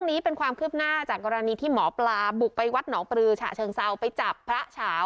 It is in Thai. นี้เป็นความคืบหน้าจากกรณีที่หมอปลาบุกไปวัดหนองปลือฉะเชิงเซาไปจับพระเฉา